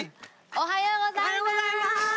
おはようございます。